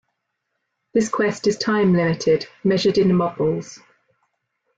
This quest is time-limited, measured in 'mobuls'.